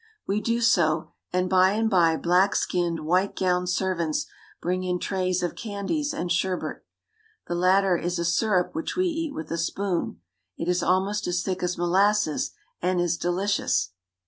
We do so, and by and by black skinned, white gowned servants bring in trays of candies and sher bet. The latter is a sirup which we eat with a spoon. It is almost as thick as molasses, and is delicious.